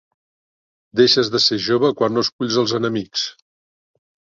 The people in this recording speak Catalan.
Deixes de ser jove quan no esculls els enemics.